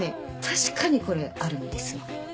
確かにこれあるんですわ。